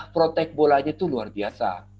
protek bolanya itu luar biasa